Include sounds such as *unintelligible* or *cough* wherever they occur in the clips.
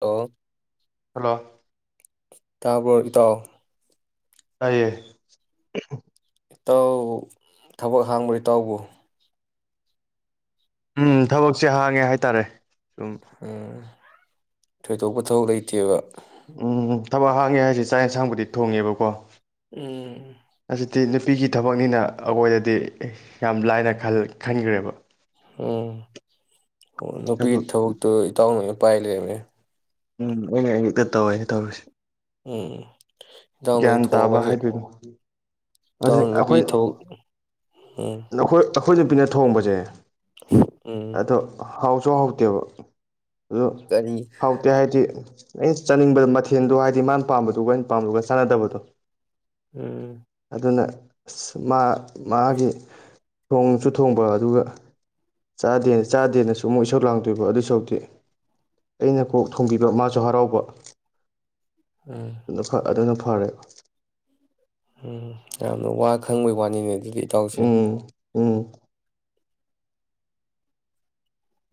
ꯑꯣ ꯍꯜꯂꯣ ꯇꯥꯕꯔꫭ ꯏꯇꯥꯎ ꯇꯥꯏꯌꯦ ꯏꯇꯥꯎ ꯊꯕꯛ ꯍꯥꯡꯕ꯭ꯔ ꯏꯇꯥꯎꯕꯨ ꯎꯝ ꯊꯕꯛꯁꯦ ꯍꯥꯡꯉꯦ ꯍꯥꯏꯇꯥꯔꯦ ꯁꯨꯝ ꯎꯝ ꯊꯣꯏꯗꯣꯛꯄꯊꯣꯛ ꯂꯩꯇꯦꯕ ꯎꯝ ꯊꯕꯛ ꯍꯥꯡꯉꯦ ꯍꯥꯏꯁꯦ ꯆꯥꯛ ꯌꯦꯟꯁꯥꯡꯕꯨꯗꯤ ꯊꯣꯡꯉꯦꯕꯀꯣ ꯎꯝ ꯍꯥꯏ ꯅꯨꯄꯤꯒꯤ ꯊꯕꯛꯅꯤꯅ ꯑꯩꯈꯣꯏꯗꯗꯤ ꯌꯥꯝ ꯂꯥꯏꯅ ꯈꯟꯈ꯭ꯔꯦꯕ ꯎꯝ ꯅꯨꯄꯤ ꯏ ꯊꯕꯛ ꯊꯛꯇ ꯏꯇꯥꯎꯅ ꯄꯥꯏ ꯂꯩ ꯎꯝ ꯑꯩꯅ ꯑꯌꯨꯛꯇ ꯇꯧ ꯍꯥꯏꯩꯅ ꯇꯧꯔꯨꯁꯤ ꯎꯝ ꯏꯇꯥꯎꯅ ꯒ꯭ꯌꯥꯟ ꯇꯥꯕ ꯍꯥꯏꯗꯣꯏꯅꯣ ꯑꯗꯨ ꯇꯧ ꯅꯨꯄꯤ ꯑꯩꯈꯣꯏ ꯊꯣꯛ ꯎꯝ ꯑꯩꯈꯣꯏꯅ ꯄꯤꯅ ꯊꯣꯡꯕꯁꯦ ꯎꯝ ꯑꯗꯣ ꯍꯥꯎꯁꯨ ꯍꯥꯎꯇꯦꯕ ꯑꯗꯨ ꯀꯔꯤ ꯍꯥꯎꯇꯦ ꯍꯥꯏꯗꯤ ꯑꯩꯅ ꯆꯥꯅꯤꯡꯕ ꯃꯊꯦꯜꯗꯣ ꯍꯥꯏꯗꯤ ꯃꯥꯅ ꯄꯥꯝꯕꯗꯨꯒ ꯑꯩꯅ ꯄꯥꯝꯗꯨꯒ ꯆꯥꯟꯅꯗꯕꯗꯣ ꯎꯝ ꯑꯗꯨꯅ ꯑ ꯃꯥ ꯃꯥꯒꯤ ꯊꯣꯡꯁꯨ ꯊꯣꯡꯕ ꯑꯗꯨꯒ ꯆꯥꯗꯦ ꯆꯥꯗꯦꯅꯁꯨ ꯑꯃꯨꯛ ꯏꯁꯛ ꯂꯥꯡꯗꯣꯏꯕ ꯑꯗꯨꯏ ꯁꯧꯒꯤ ꯑꯩꯅ ꯀꯣꯛ ꯊꯣꯡꯕꯤꯕ ꯃꯥꯁꯨ ꯍꯔꯥꯎꯕ ꯎꯝ ꯅꯐ ꯑꯗꯨꯅ ꯐꯥ ꯐꯔꯦ ꯎꯝ ꯌꯥꯝꯅ ꯋꯥ ꯈꯪꯕꯩ ꯋꯥꯅꯤꯅꯦ ꯑꯩꯒꯤ ꯏꯇꯧꯁꯦ ꯎꯝ ꯎꯝ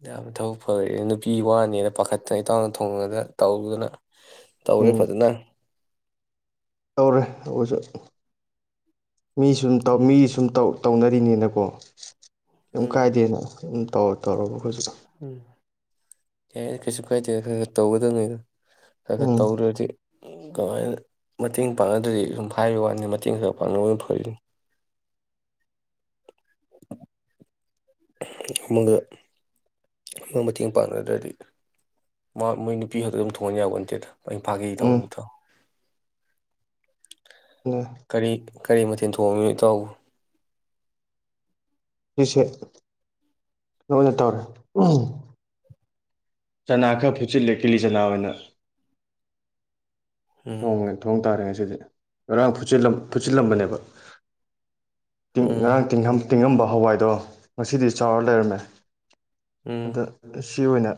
ꯌꯥꯝꯅ ꯊꯕꯛ ꯐꯔꯦ ꯅꯨꯄꯤ ꯋꯥꯅꯦꯅ ꯄꯥꯈꯠꯇꯅ ꯏꯇꯥꯎꯅ ꯊꯣꯡꯉꯒ ꯇꯧꯗꯅ ꯇꯧꯔꯦ ꯎꯝ ꯐꯖꯅ ꯇꯧꯔꯦ ꯑꯍꯣꯏꯁꯨ ꯃꯤ ꯁꯨꯝ ꯇꯧ ꯃꯤ ꯁꯨꯝ ꯇꯧ ꯇꯧꯅꯔꯤꯅꯦꯅꯀꯣ ꯀꯩꯝ ꯎꯝ ꯀꯥꯏꯗꯦꯅ ꯎꯝ ꯇꯧꯔꯣ ꯇꯧꯔꯣꯕ ꯑꯩꯈꯣꯏꯖꯤꯛ ꯎꯝ ꯌꯥ ꯀꯩꯁꯨ ꯀꯥꯏꯗꯦ ꯈꯔ ꯈꯔ ꯇꯧꯒꯗꯝꯅꯤꯗꯣ ꯈꯥ ꯈꯥ ꯎꯝ ꯇꯧꯔꯨꯔꯗꯤ ꯀꯃꯥꯏꯅ ꯃꯇꯦꯡ ꯄꯥꯡꯅꯗ꯭ꯔꯗꯤ ꯁꯨꯝ ꯍꯥꯏꯔꯤꯕ ꯋꯥꯅꯤ ꯃꯇꯦꯡ ꯈꯔ ꯄꯥꯡꯅꯕ ꯐꯔꯤꯅꯤ ꯑꯝꯃꯒ ꯒ ꯃꯇꯦꯡ ꯄꯥꯡꯅꯗ꯭ꯔꯗꯤ ꯃꯥ ꯃꯣꯏ ꯅꯨꯄꯤ ꯈꯛꯇ ꯑꯗꯨꯝ ꯊꯣꯡꯍꯟ ꯌꯥꯕ ꯅꯠꯇꯦꯗ ꯃꯣꯏ ꯐꯥꯒꯦ ꯎꯝ ꯇꯧꯅꯨꯗꯣ ꯅꯦ ꯀꯔꯤ ꯀꯔꯤ ꯃꯊꯦꯜ ꯊꯣꯡꯉꯤ ꯏꯇꯥꯎꯕꯨ ꯁꯤꯁꯦ ꯀꯩꯅꯣ ꯑꯣꯏꯅ ꯇꯧꯔꯦ ꯎꯝ ꯆꯅꯥ ꯈꯔ ꯐꯨꯠꯆꯤꯜꯂꯦ ꯀꯤꯂꯤ ꯆꯅꯥ ꯑꯣꯏꯅ ꯎꯝ ꯊꯣꯡꯉꯦ ꯊꯣꯡ ꯇꯥꯔꯦ ꯁꯤꯗꯤ ꯉꯔꯥꯡ ꯐꯨꯠꯆꯤꯜꯂꯝ ꯐꯨꯠꯆꯤꯜꯂꯝꯕꯅꯦꯕ ꯇꯤꯡ ꯎꯝ ꯉꯔꯥꯡ ꯇꯤꯡꯉꯝ ꯇꯤꯡꯉꯝꯕ ꯍꯋꯥꯏꯗꯣ ꯉꯁꯤꯗꯤ ꯆꯥꯎꯔ ꯂꯩꯔꯝꯃꯦ ꯎꯝ ꯑꯗ ꯁꯤ ꯑꯣꯏꯅ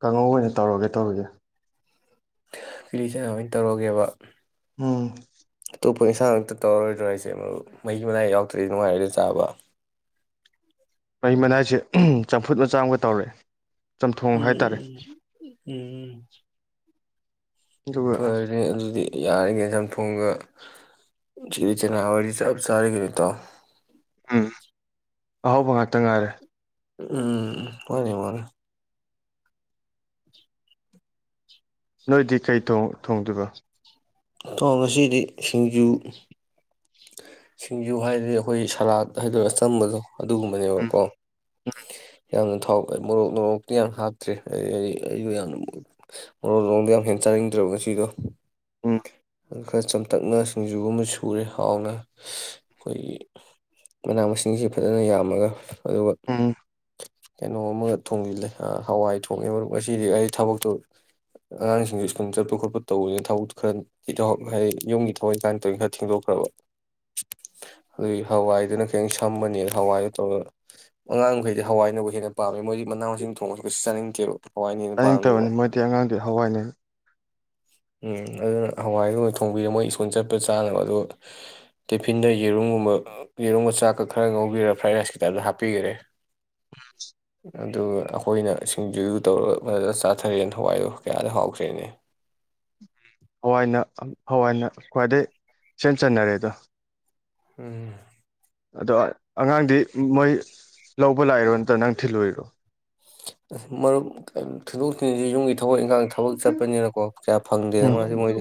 ꯀꯥꯡꯍꯧ ꯑꯣꯏꯅ ꯇꯧꯔꯒꯦ ꯇꯧꯔꯤꯌꯦ ꯀꯤꯂꯤꯆꯅꯥ ꯑꯣꯏꯅ ꯇꯧꯔꯒꯦꯕ ꯎꯝ *inaudible* ꯑꯦꯟꯒ ꯑꯝꯇ ꯇꯧꯔꯔꯣꯏꯗ꯭ꯔꯣ ꯍꯥꯢꯁꯦ ꯃꯔꯨꯞ ꯃꯍꯤ ꯃꯅꯥꯏ ꯌꯥꯎꯗ꯭ꯔꯗꯤ ꯅꯨꯡꯉꯥꯏꯒꯗ꯭ꯔꯣ ꯆꯥꯕ ꯃꯍꯤ ꯃꯅꯥꯏꯁꯦ ꯆꯝꯐꯨꯠ ꯃꯆꯥꯃꯒ ꯇꯧꯔꯦ ꯆꯝꯊꯣꯡ ꯍꯥꯏꯇꯥꯔꯦ ꯎꯝ ꯎꯝ ꯑꯗꯨꯒ ꯐꯔꯦ ꯑꯗꯨꯗꯤ ꯌꯥꯔꯦ ꯀꯩꯅꯣ ꯆꯝꯊꯣꯡꯒ ꯀꯤꯂꯤ ꯆꯥꯅꯥꯒꯗꯤ ꯆꯞ ꯆꯥꯔꯦ ꯀꯩꯅꯣ ꯏꯇꯥꯎ ꯎꯝ ꯑꯍꯥꯎꯕ ꯉꯥꯛꯇ ꯉꯥꯏꯔꯦ ꯎꯝ *unintelligible* ꯅꯣꯏꯗꯤ ꯀꯩ ꯇꯣꯡ ꯊꯣꯡꯗꯨꯏꯕ ꯏꯊꯥꯎ ꯉꯁꯤꯗꯤ ꯁꯤꯡꯖꯨ ꯁꯤꯡꯖꯨ ꯍꯥꯏꯔꯗꯤ ꯑꯩꯈꯣꯏ ꯁꯂꯥꯠ ꯍꯥꯏꯗꯣꯏꯔ ꯑꯆꯝꯕꯗꯣ ꯎꯝ ꯑꯗꯨꯒꯨꯝꯕꯅꯦꯕꯀꯣ ꯌꯥꯝꯅ ꯊꯥꯎ ꯃꯣꯔꯣꯛ ꯅꯣꯔꯣꯛꯇꯤ ꯌꯥꯝ ꯍꯥꯞꯇ꯭ꯔꯦ ꯍꯥꯏꯗꯤ ꯑꯩꯁꯨ ꯌꯥꯝꯅ ꯃꯣꯔꯣꯛ ꯅꯣꯔꯣꯛꯗꯣ ꯌꯥꯝ ꯍꯦꯟꯅ ꯆꯥꯅꯤꯡꯗ꯭ꯔꯕ ꯉꯁꯤꯗꯣ ꯎꯝ ꯈꯔ ꯆꯝꯇꯛꯅ ꯁꯤꯡꯖꯨ ꯑꯃ ꯁꯨꯔꯦ ꯍꯥꯎꯅ ꯑꯩꯈꯣꯏꯒꯤ ꯃꯅꯥ ꯃꯁꯤꯡꯁꯤ ꯐꯖꯅ ꯌꯥꯝꯃꯒ ꯑꯗꯨꯒ ꯎꯝ ꯀꯩꯅꯣ ꯑꯃꯒ ꯊꯣꯡꯖꯤꯜꯂꯦ ꯑ ꯍꯋꯥꯏ ꯊꯣꯡꯉꯦ ꯃꯔꯨꯞ ꯉꯁꯤꯗꯤ ꯑꯩ ꯊꯕꯛꯇꯣ ꯑꯉꯥꯡꯁꯤꯡꯁꯨ ꯁ꯭ꯀꯨꯜ ꯆꯠꯄ ꯈꯣꯠꯄ ꯇꯧꯕꯅꯦ ꯊꯕꯛ ꯈꯔ ꯏꯇꯥꯎ ꯍꯥꯏꯗꯤ ꯌꯨꯝꯒꯤ ꯊꯕꯛ ꯏꯟꯈꯥꯡ ꯇꯧꯔꯤ ꯀꯥꯟ ꯈꯔ ꯊꯦꯡꯗꯣꯛꯈ꯭ꯔꯕ ꯑꯗꯨꯒꯤ ꯍꯋꯥꯏꯗꯨꯅ ꯈꯤꯇꯪ ꯁꯝꯃꯅꯤꯅ ꯍꯋꯥꯏꯗꯣ ꯇꯧꯔꯦꯕ ꯑꯉꯥꯡꯍꯩꯗꯤ ꯍꯋꯥꯏꯅꯕꯨ ꯍꯦꯟꯅ ꯄꯥꯝꯃꯦ ꯃꯣꯏꯗꯤ ꯃꯅꯥ ꯃꯁꯤꯡ ꯊꯣꯡꯕꯁꯨ ꯀꯩꯁꯨ ꯆꯥꯅꯤꯡꯗꯦꯕ ꯍꯋꯥꯏꯅ ꯍꯦꯟꯅ ꯄꯥꯝꯃꯦꯕ ꯆꯥꯅꯤꯡꯇꯕꯅꯤ ꯃꯣꯏꯗꯤ ꯑꯉꯥꯡꯗꯤ ꯍꯋꯥꯏꯅ ꯍꯦꯟ *unintelligible* ꯑꯗꯨꯅ ꯍꯋꯥꯏꯒꯨꯝꯕ ꯊꯣꯡꯕꯤꯔꯦ ꯃꯣꯏ ꯁ꯭ꯀꯨꯜ ꯆꯠꯄ ꯆꯥꯅꯕ ꯑꯗꯨꯒ ꯇꯤꯐꯤꯟꯗ ꯌꯦꯔꯨꯝꯒꯨꯝꯕ ꯌꯦꯔꯨꯝꯒ ꯆꯥꯛꯀ ꯈꯔ ꯉꯧꯕꯤꯔꯒ ꯐ꯭ꯔꯥꯏꯗ ꯔꯥꯏꯁꯀꯤ ꯇꯥꯏꯞꯇ ꯍꯥꯞꯄꯤꯈꯔꯦ *inaudible* ꯑꯗꯨꯒ ꯑꯩꯈꯣꯏꯅ ꯁꯤꯡꯖꯨꯗꯨ ꯇꯧꯔꯒ ꯐꯖꯅ ꯆꯥꯊꯔꯦꯅ *unintelligible* ꯗꯣ ꯀꯌꯥꯗ ꯍꯥꯎꯈ꯭ꯔꯦꯅꯦ ꯍꯋꯥꯏꯅ ꯍꯋꯥꯏꯅ ꯈ꯭ꯋꯥꯏꯗꯒꯤ ꯏꯆꯟ ꯆꯟꯅꯔꯦꯗ ꯎꯝ ꯑꯗꯣ ꯑꯉꯥꯡꯗꯤ ꯃꯣꯏ ꯂꯧꯕ ꯂꯥꯛꯏꯔꯣ ꯅꯠꯇꯔ ꯅꯪ ꯊꯤꯜꯂꯨꯏꯔꯣ ꯃꯔꯨꯞ ꯊꯤꯟꯗꯣꯛ ꯊꯤꯟꯖꯤꯟꯁꯦ ꯌꯨꯝꯒꯤ ꯊꯕꯛ ꯏꯪꯈꯥꯡ ꯊꯕꯛ ꯆꯠꯄꯅꯤꯅꯀꯣ ꯀꯌꯥ ꯐꯪꯗꯦꯅ ꯎꯝ ꯃꯥꯁꯤ ꯃꯣꯏ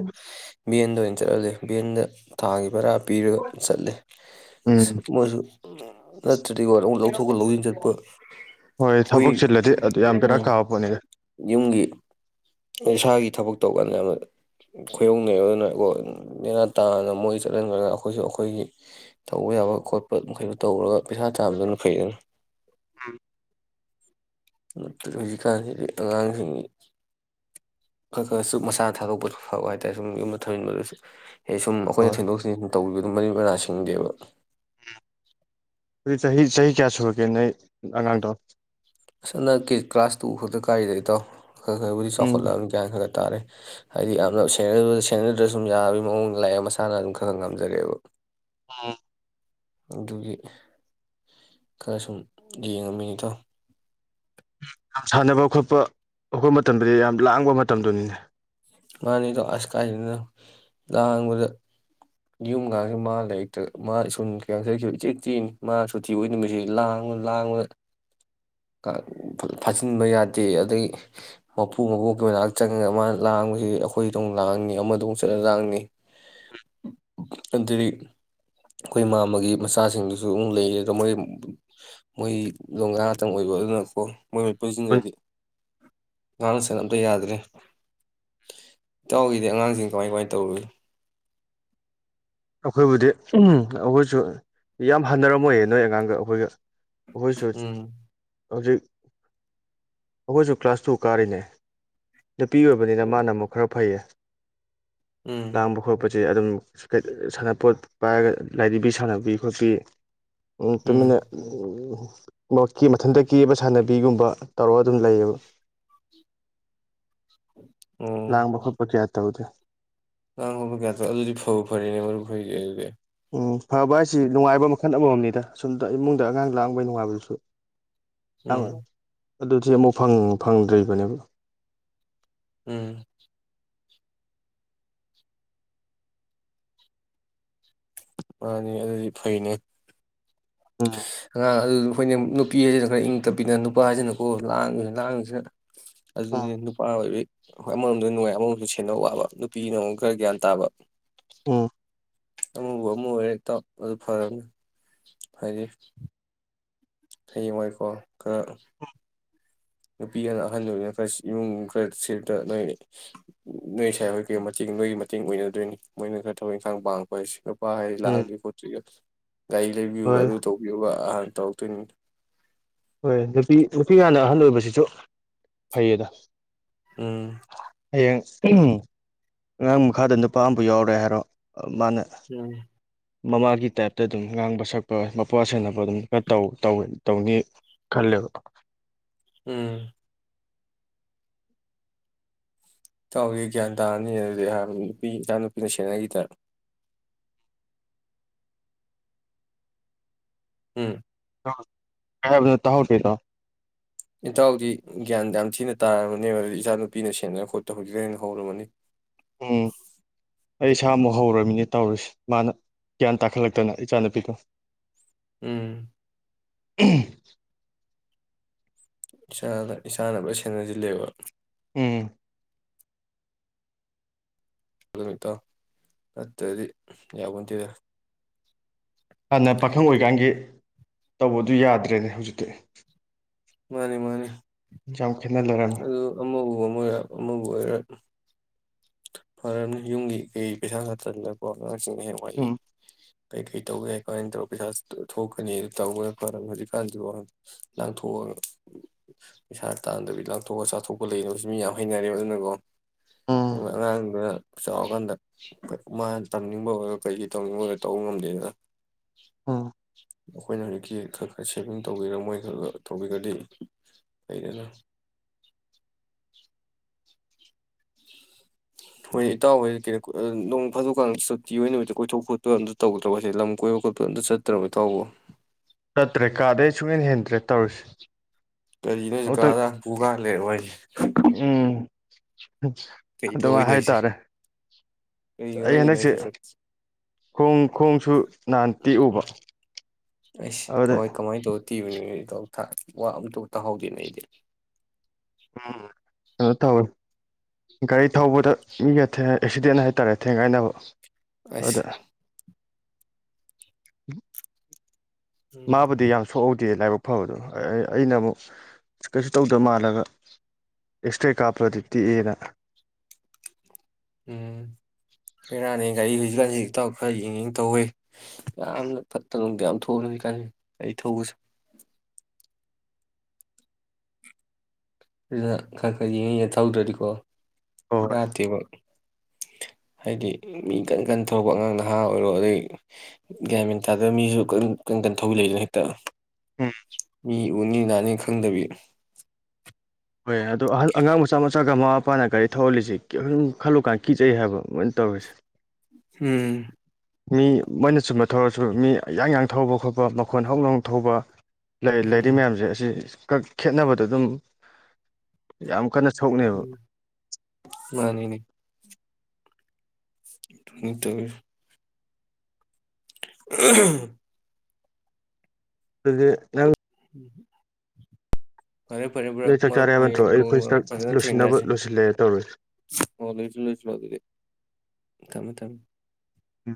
ꯚꯦꯟꯗ ꯑꯣꯏꯅ ꯆꯠꯍꯜꯂꯦ ꯚꯦꯟꯗ ꯊꯥꯒꯤ ꯚꯥꯔꯥ ꯄꯤꯔꯒ ꯆꯠꯂꯦ ꯎꯝ ꯑꯁ ꯃꯣꯏꯁꯨ *inaudible* ꯅꯠꯇ꯭ꯔꯗꯤ ꯑꯃꯨꯛ ꯂꯧꯊꯣꯛꯀ ꯂꯧꯁꯤꯟ ꯆꯠꯄ ꯍꯣꯏ ꯑꯩꯈꯣꯏ *inaudible* ꯑꯗꯨ ꯌꯥꯝ ꯕꯦꯔꯥ ꯎꯝ ꯀꯥꯕ ꯄꯣꯠꯅꯤ ꯌꯨꯝꯒꯤ ꯏꯁꯥꯒꯤ ꯊꯕꯛ ꯇꯧꯀꯥꯟꯗ ꯌꯥꯝꯅ ꯈꯨꯌꯧꯅꯩ ꯑꯗꯨꯅ ꯀꯣ ꯅꯦꯅꯥ ꯇꯥꯅ ꯃꯣꯏ ꯆꯠꯍꯟꯈ꯭ꯔꯒ ꯑꯩꯈꯣꯏꯁꯨ ꯑꯩꯈꯣꯏꯒꯤ ꯇꯧꯕ ꯌꯥꯕ ꯈꯣꯠꯄ ꯃꯈꯩꯗꯣ ꯇꯧꯔꯒ ꯄꯩꯁꯥ ꯇꯥꯟꯕꯅ ꯐꯩꯗꯅ ꯅꯠꯇ꯭ꯔꯗꯤ ꯍꯧꯖꯤꯛꯀꯥꯟꯁꯤꯗꯤ ꯑꯉꯥꯡꯁꯤꯡ ꯈꯔ ꯈꯔꯁꯨ ꯃꯁꯥ ꯊꯥꯗꯣꯛꯄꯗꯨ ꯐꯥꯎ ꯍꯥꯏꯇꯥꯔꯦ ꯁꯨꯝ ꯌꯨꯝꯗ ꯊꯝꯖꯤꯟꯕꯗꯁꯨ ꯑꯦ ꯁꯨꯝ ꯑꯩꯈꯣꯏꯅ ꯍꯣꯏ ꯁꯗꯣꯛ ꯊꯟ ꯇꯧꯕꯤꯌ ꯃꯔꯤ ꯃꯔꯥꯁꯤꯡꯗꯦꯕ ꯆꯍꯤ ꯆꯍꯤ ꯀꯌꯥꯁꯨꯒꯦ ꯅ ꯑꯂꯗꯣ ꯑꯁ ꯍꯟ ꯅꯛꯀꯤ ꯀ꯭ꯂꯥꯁ ꯇꯨ ꯈꯛꯇ ꯀꯥꯔꯤꯗꯩ ꯇꯥꯎ ꯍ ꯍꯣꯏꯕꯨꯗꯤ ꯎꯝ ꯁꯜꯂ ꯑꯃ ꯌꯥꯌꯥꯅꯗꯦ ꯇꯥꯔꯦ ꯍꯥꯏꯗꯤ ꯌꯥꯝꯅ ꯁꯦꯟꯅꯗ꯭ꯔ ꯁꯨꯝ ꯌꯥꯕꯒꯤ ꯃꯑꯣꯡꯗ ꯂꯥꯏꯔꯤꯛꯡ ꯃꯁꯥꯅ ꯑꯗꯨꯝ ꯈꯔ ꯈ ꯉꯝꯖꯔꯛꯑꯦꯕ ꯑꯥ ꯑꯗꯨꯒꯤ ꯈꯔ ꯁꯨꯝ ꯌꯦꯡꯉꯝꯃꯤꯅꯤꯗꯣ ꯌꯥꯝ ꯁꯥꯟꯅꯕ ꯈꯣꯠꯄ ꯈꯣꯠꯄ ꯃꯇꯝꯗꯗꯤ ꯌꯥꯝ ꯂꯥꯡꯕ ꯃꯇꯝꯗꯨꯅꯤꯅꯦ ꯃꯥꯅꯤꯗꯣ ꯑꯁ ꯀꯥꯏꯗꯗꯅ ꯂꯥꯡꯕꯗ ꯌꯨꯝꯒꯁꯨ ꯃꯥ ꯂꯩꯔꯤꯛꯇ ꯃꯥ ꯏꯁꯟ ꯀꯩꯁꯁꯨ ꯏꯆꯦ ꯇꯦꯅꯤ ꯃꯥ ꯁꯨꯇꯤ ꯑꯣꯏꯅꯤꯡꯕꯕꯁꯤ ꯂꯥꯡꯕ ꯂꯥꯡꯕꯗ ꯐꯥꯖꯤꯟꯕ ꯌꯥꯗꯦ ꯑꯗꯩ ꯃꯄꯨ ꯃꯄꯣꯛꯀꯤ ꯑꯣꯏꯅꯅꯥ ꯆꯪꯉꯒ ꯃꯥꯅ ꯂꯥꯡꯕꯁꯤ ꯑꯩꯈꯣꯏꯗꯧꯛ ꯂꯥꯡꯅꯤ ꯑꯃꯗꯧ ꯑꯃꯛ ꯆꯠꯂ ꯂꯥꯡꯅꯤ ꯑꯗꯨꯗꯤ ꯑꯩꯈꯣꯏ ꯏꯃꯥ ꯑꯃꯒꯤꯒꯤ ꯃꯆꯥꯁꯤꯡꯗꯨꯁꯨ ꯑꯃꯨꯛ ꯂꯩꯌꯦ ꯑꯗꯣ ꯃꯣꯏ ꯃꯣꯏꯗꯣ ꯉꯥꯛꯇꯪ ꯑꯣꯏꯕ ꯑꯗꯨꯅꯀꯣ ꯃꯣꯏ ꯃꯄꯨꯁꯤꯡꯗꯗꯤ ꯉꯥꯡꯅ ꯁꯠ ꯑꯝꯇ ꯌꯥꯗ꯭ꯔꯦ ꯏꯇꯥꯎꯒꯤꯗꯤ ꯑꯉꯥꯡꯁꯤꯡ ꯀꯃꯥꯏ ꯀꯃꯥꯏ ꯇꯧꯔꯨꯏ ꯑꯩꯈꯣꯏꯕꯨꯗꯤ ꯑꯩꯈꯣꯏꯁꯨ ꯌꯥꯝ ꯍꯟꯅꯔꯝꯣꯏꯌꯦ ꯅꯣꯏ ꯑꯉꯥꯡꯒ ꯑꯩꯈꯣꯏꯒ ꯍꯣꯏ ꯁꯣꯏ ꯎꯝ ꯍꯧꯖꯤꯛ ꯑꯩꯈꯣꯏꯁꯨ ꯀ꯭ꯂꯥꯁ ꯇꯨ ꯀꯥꯔꯤꯅꯦ ꯅꯨꯄꯤ ꯑꯣꯏꯕꯅꯤꯅ ꯃꯥꯅ ꯑꯃꯨꯛ ꯈꯔ ꯐꯩꯌꯦ ꯎꯝ ꯂꯥꯡꯕ ꯈꯣꯠꯄꯁꯦ ꯑꯗꯨꯝ ꯁꯥꯟꯅꯄꯣꯠ ꯄꯥꯏꯔꯒ ꯂꯥꯏꯔꯤꯕꯤ ꯁꯥꯟꯅꯕꯤ ꯈꯣꯠꯄꯤ ꯎꯝ ꯇꯃꯤꯅ ꯃꯊꯟꯇ ꯀꯦꯕ ꯁꯥꯟꯅꯕꯤꯒꯨꯝꯕ ꯇꯧꯔꯒ ꯑꯗꯨꯝ ꯂꯩꯌꯦꯕ ꯎꯝ ꯂꯥꯡꯕꯜ ꯄꯆ ꯌꯥꯦ ꯇꯧꯗꯦ ꯂ ꯍꯕ ꯀꯌꯥꯗꯣ ꯑꯗꯨꯗꯤ ꯐꯧ ꯐꯔꯦꯅꯦ ꯃꯔꯨꯞ ꯐꯗꯤ ꯑꯗꯨꯗꯤ ꯎꯝ ꯐꯕ ꯍꯥꯏꯁꯤ ꯅꯨꯡꯉꯥꯏꯕ ꯃꯈꯜ ꯑꯃꯃꯝꯅꯤꯗ ꯁꯣꯝꯗ ꯏꯃꯨꯡꯗ ꯑꯉꯥꯡ ꯂꯥꯡꯕꯩ ꯅꯨꯡꯉꯥꯏꯕꯗꯨꯁꯨ ꯎꯝ ꯑꯗꯨꯗꯤ ꯑꯃꯨꯛ ꯐꯪꯗ꯭ꯔꯤꯕꯅꯦꯕ ꯎꯝ ꯃꯥꯅꯤ ꯑꯗꯨꯗꯤ ꯐꯩꯅꯦ ꯑ ꯑꯉꯥꯡ ꯑꯗꯨ ꯑꯩꯈꯣꯏꯅ ꯅꯨꯄꯤ ꯍꯥꯏꯁꯤꯅ ꯈꯔ ꯏꯪ ꯇꯞꯄꯤꯗ ꯅꯨꯄꯥ ꯍꯥꯏꯁꯤꯅꯀꯣ ꯂꯥꯡꯉꯁꯤꯅ ꯂꯥꯡꯉꯤꯁꯤꯅ ꯑꯗꯨꯅꯤ ꯅꯨ ꯄ ꯑꯣꯏꯦ ꯑꯃꯔꯣꯗꯗꯤ ꯅꯨꯡꯉꯥꯏ ꯑꯃꯛꯁꯨ ꯁꯦꯟꯅ ꯋꯥꯕ ꯅꯨꯄꯤꯅ ꯑꯃꯨꯛ ꯈꯔ ꯒ꯭ꯌꯥꯟ ꯇꯥꯕ ꯎꯝ ꯑꯃꯕꯨ ꯑꯃ ꯑꯣꯏꯔꯦ ꯏꯇꯥꯎ ꯑꯗꯨ ꯐꯔꯝꯅꯤ ꯍꯥꯏꯗꯤ ꯍꯌꯦꯡꯋꯥꯏꯀꯣ ꯈꯔ ꯅꯨꯄꯤꯒꯅ ꯑꯍꯟ ꯑꯣꯏꯕꯅꯤꯅ ꯈꯔ ꯏꯃꯨꯡ ꯈꯔ ꯁꯤꯗ ꯅꯣꯏ ꯅꯣꯏ ꯁꯥꯏꯍꯣꯏꯒꯤ ꯃꯇꯦꯡ ꯅꯣꯏꯒꯤ ꯃꯇꯦꯡ ꯑꯣꯏꯅꯗꯣꯏꯅꯤ ꯃꯣꯏꯅ ꯈꯔ ꯊꯕꯛ ꯏꯪꯈꯥꯡ ꯄꯥꯡꯉꯛꯄ ꯍꯥꯏꯁꯦ ꯅꯨꯄꯥ ꯍꯥꯏꯁꯤꯗꯤ ꯎꯝ ꯂꯥꯡꯗꯣꯏ ꯈꯤꯠꯇꯣꯏꯒ ꯂꯥꯏꯔꯤꯛ ꯂꯩꯕꯤꯌꯨꯒ ꯍꯣꯏ ꯑꯗꯨ ꯇꯧꯕꯤꯌꯨꯒ ꯑꯍꯥ ꯇꯧ *unintelligible* ꯍꯣꯏ ꯅꯨꯄꯤ ꯅꯨꯄꯤ ꯍꯥꯟꯅ ꯑꯍꯜ ꯑꯣꯏꯕꯁꯤꯁꯨ ꯐꯩꯌꯦꯗ ꯎꯝ ꯍꯌꯦꯡ ꯎꯝ ꯑꯉꯥꯡ ꯃꯈꯥꯗ ꯅꯨꯄꯥ ꯑꯃꯕꯨ ꯌꯥꯎꯔꯦ ꯍꯥꯏꯔꯣ ꯃꯥꯅ ꯎꯝ ꯃꯃꯥꯒꯤ ꯇꯥꯏꯞꯇ ꯑꯗꯨꯝ ꯉꯥꯡꯕ ꯁꯛꯄ ꯃꯄ꯭ꯋꯥ ꯁꯦꯟꯅꯕ ꯑꯗꯨꯝ ꯇꯧꯅꯤ ꯈꯜꯂꯦꯕ ꯎꯝ ꯏꯇꯥꯎꯗꯤ ꯒ꯭ꯌꯥꯟ ꯇꯥꯔꯅꯤ ꯑꯗꯨꯗꯤꯍ ꯅꯨꯄꯤ ꯏꯆꯥ ꯅꯨꯄꯤꯅ ꯁꯦꯟꯅꯈꯤꯗꯅ ꯎꯝ *unintelligible* ꯇꯥꯍꯧꯗꯦ ꯏꯇꯥꯎ ꯏꯇꯥꯎꯗꯤ ꯒ꯭ꯌꯥꯟ ꯌꯥꯝ ꯊꯤꯅ ꯇꯥꯔꯝꯃꯅꯦꯕ ꯑꯗꯨ ꯏꯆꯥ ꯅꯨꯄꯤꯅ ꯁꯦꯟꯅꯕ ꯈꯣꯠꯄ ꯍꯧꯖꯤꯛꯅ ꯍꯧꯔꯃꯅꯤ ꯏꯁꯥꯃꯨꯛ ꯍꯧꯔꯃꯤꯅꯦ ꯇꯧꯔꯤꯁꯤ ꯃꯥꯅ ꯒ꯭ꯌꯥꯟ ꯇꯥꯈꯠꯂꯛꯇꯅ ꯏꯆꯥꯅꯨꯄꯤꯗꯣ ꯎꯝ *unintelligible* ꯏꯁꯥꯅ ꯏꯥꯅ ꯂꯣꯏ ꯁꯦꯟꯅꯁꯤꯜꯂꯦꯕ ꯎꯝ ꯅꯨꯃꯤꯠꯇꯣ ꯑꯗꯨꯗꯗꯤ ꯌꯥꯄꯣꯟꯇꯦꯗ ꯍꯥꯟꯅ ꯄꯥꯈꯪ ꯑꯣꯏꯀꯥꯟꯒꯤ ꯇꯧꯕꯗꯨ ꯌꯥꯗ꯭ꯔꯦꯅꯦ ꯍꯧꯖꯤꯛꯇꯤ ꯃꯥꯅꯤ ꯃꯥꯅꯤ ꯆꯥꯎ ꯑꯗꯨ ꯑꯃꯕꯨ ꯑꯣꯏꯔꯦ ꯑꯃꯕꯨ ꯑꯣꯏꯔꯦ ꯐꯔꯝꯅꯤ ꯌꯨꯝꯒꯤ ꯀꯩ ꯄꯩꯁꯥ ꯅꯨꯡꯁꯥ *unintelligible* ꯋꯥꯔꯤ ꯎꯝ ꯀꯩꯀꯩ ꯇꯧꯒꯦ ꯀꯃꯥꯏꯅ ꯇꯧꯔꯒ ꯄꯩꯁꯥ ꯊꯣꯛꯀꯅꯤ ꯇꯧꯕꯗ ꯍꯧꯖꯤꯛꯀꯥꯟꯁꯤꯕꯣ ꯂꯥꯡꯊꯣꯛꯑꯒ ꯄꯩꯁꯥ ꯇꯥꯟꯗꯕꯤ ꯂꯥꯡꯊꯣꯛꯑ ꯆꯥꯊꯣꯛꯄ ꯂꯩꯅꯕꯁꯨ ꯃꯤ ꯌꯥꯝ ꯍꯩꯅꯔꯦ ꯑꯗꯨꯅꯀꯣ ꯎꯝ ꯑꯉꯥꯡꯗꯨ ꯆꯥꯎꯔꯀꯥꯟꯗ ꯃꯥꯅ ꯇꯝꯅꯤꯡꯕ ꯑꯣꯏꯔꯣ ꯀꯩꯒꯤ ꯇꯧꯅꯤꯡꯕ ꯑꯣꯏꯔꯣ ꯇꯧꯕ ꯉꯝꯗꯦꯗꯅ ꯎꯝ ꯑꯩꯈꯣꯏꯅ ꯍꯧꯖꯤꯛꯀꯤ ꯈꯔ ꯈꯔ ꯁꯦꯚꯤꯡ ꯇꯧꯕꯤꯔ ꯃꯣꯏ ꯈꯔ ꯈꯔ ꯇꯧꯕꯤꯔꯗꯤ ꯂꯩꯗꯅ ꯍꯣꯏ ꯏꯇꯥꯎ ꯍꯣꯏꯗꯤ ꯅꯣꯡ ꯐꯥꯗꯣꯛꯀꯥꯟ ꯁꯛꯇꯤ ꯑꯣꯏ ꯅꯨꯃꯤꯠꯇ ꯀꯣꯏꯊꯣꯛ ꯈꯣꯠꯄ ꯑꯝꯇ ꯇꯧꯗ꯭ꯔꯕꯣꯁꯦ ꯂꯝ ꯀꯣꯏꯕ ꯈꯣꯠꯄ ꯑꯝꯇ ꯆꯠꯇ꯭ꯔꯕ ꯏꯇꯥꯎꯕꯨ ꯆꯠꯇ꯭ꯔꯦ ꯀꯥꯗꯩ ꯁꯨꯡꯍꯦꯟ ꯍꯦꯟꯗ꯭ꯔꯦ ꯇꯧꯔꯤꯁꯦ ꯀꯔꯤꯅꯣ ꯍꯥꯏꯁꯦ ꯑꯃꯨꯛꯇꯪ ꯀꯥꯗ ꯍꯥꯄꯨ ꯀꯥ ꯂꯩꯔꯕꯣ ꯍꯥꯏꯁꯦ꯫ ꯀꯩ *unintelligible* ꯑꯗꯨꯃꯥꯏ ꯇꯧꯕꯩꯅꯣ ꯍꯥꯏꯁꯦ ꯍꯥꯏꯇꯥꯔꯦ ꯀꯩ ꯑꯩ ꯃꯔꯝꯒꯤꯅꯣ ꯍꯟꯗꯛꯁꯦ ꯍꯥꯏꯁꯦ ꯈꯣꯡ ꯈꯣꯡꯁꯨ ꯍꯥꯟ ꯇꯦꯛꯎꯕ ꯑꯗꯨꯗ ꯇꯤꯕꯅꯤ ꯋꯥ ꯑꯝꯇ ꯇꯥꯍꯧꯗꯦꯅꯦ ꯑꯩꯗꯤ ꯀꯩꯅꯣ ꯇꯧꯋꯦ ꯒꯥꯔꯤ ꯊꯧꯕꯗ ꯃꯤꯒ ꯑꯦꯛꯁꯤꯗꯦꯟ ꯍꯥꯏꯇꯥꯔꯦ ꯊꯦꯡꯒꯥꯏꯅꯕ ꯑꯁ ꯎ ꯎꯝ ꯃꯥꯕꯨꯗꯤ ꯌꯥꯝ ꯁꯣꯛꯍꯧꯗꯦ ꯗ ꯂꯥꯏꯕꯛ ꯐꯕꯗꯣ ꯑꯩꯅ ꯑꯃꯨꯛ ꯀꯩꯁꯨ ꯇꯧꯗ ꯃꯥꯜꯂꯒ ꯑꯦꯛꯁꯇ꯭ꯔꯥ ꯀꯥꯞꯄꯗꯤ ꯇꯦꯛꯑꯦꯅ ꯎꯝ ꯐꯔꯥꯅꯤ ꯒꯥꯔꯤ ꯍꯧꯖꯤꯛꯀꯥꯟ ꯍꯧꯖꯤꯛꯇ ꯈꯔ ꯌꯦꯡꯉ ꯇꯧꯋꯦ ꯌꯥꯝꯅ ꯐꯠꯇ ꯊꯣꯛꯅꯕꯣꯏ ꯀ ꯑꯩ ꯊꯧꯕꯁꯨ ꯑꯗꯨꯗ ꯀ ꯀ ꯌꯦꯉ ꯊꯧꯗ꯭ꯔꯔꯤꯀꯣ ꯍꯣꯏ ꯌꯥ ꯍꯣꯏ ꯊꯕ ꯍꯥꯏꯗꯤ ꯃꯤ ꯀꯟ ꯀꯟ ꯊꯧꯔꯛꯄ ꯑꯉꯥꯡ ꯅꯍꯥ ꯑꯣꯏꯔꯣ ꯑꯗꯩ ꯒ꯭ꯔꯥꯃꯤꯟ ꯊꯥꯗꯕ ꯃꯤꯁꯨ ꯀ ꯀꯟ ꯀꯟ ꯊꯧꯕꯤ ꯂꯩꯏꯗꯅ ꯍꯦꯛꯇ ꯎꯝ ꯎꯅꯤ ꯅꯅꯤ ꯈꯪꯗꯕꯤ ꯍꯣꯏ ꯑꯗꯣ ꯑꯍ ꯑꯉꯥꯡ ꯃꯆꯥ ꯃꯆꯥꯒ ꯃꯃꯥ ꯃꯄꯥꯅ ꯒꯥꯔꯤ ꯊꯧꯍꯜꯂꯤꯁꯤꯨꯝ ꯈꯜꯂꯨꯀꯥꯟ ꯀꯤꯆꯩ ꯍꯥꯏꯕ ꯑꯗꯨꯃꯥꯏꯅ ꯇꯧꯔꯤꯁꯦ ꯍꯝ ꯃꯤ ꯃꯣꯏꯅ ꯆꯨꯝꯕ ꯊꯧꯔꯁꯨ ꯃꯤ ꯌꯥꯌꯥꯡ ꯌꯥꯡ ꯊꯧꯕ ꯈꯣꯠꯄ ꯃꯈꯣꯟ ꯍꯧꯅ ꯍꯧꯅ ꯊꯧꯕ ꯂꯩꯔꯤ ꯎꯝ ꯃꯌꯥꯝꯁꯦ ꯑꯁꯤ ꯀꯛ ꯈꯦꯠꯅꯕꯗꯣ ꯑꯗꯨꯝ ꯌꯥꯝ ꯀꯟꯅ ꯁꯣꯛꯅꯦꯕ ꯎꯝ ꯃꯥꯅꯤꯅꯦ ꯍ ꯇ ꯎ ꯑꯗꯨ ꯅꯪ ꯎꯝ ꯐꯔꯦ ꯐꯔꯦ ꯐꯔꯥ ꯅꯣꯏ ꯆꯥꯛ ꯃꯔꯨꯞ ꯆꯥꯔꯦ ꯍꯥꯏꯕ ꯅꯠꯇ꯭ꯔꯣ ꯍꯌꯦꯡ ꯑꯩ ꯑꯩꯈꯣꯏ ꯆꯥꯛ ꯐꯖꯅ ꯂꯣꯏꯁꯤꯟꯅꯕ ꯊꯦꯡꯅꯔꯁꯤꯦ ꯂꯣꯏꯁꯤꯜꯂꯦ ꯇꯧꯔꯤ ꯂꯣꯏꯁꯨ ꯂꯣꯏꯁꯨ ꯑꯗꯨꯗꯤ ꯊꯃ ꯊꯝ ꯑ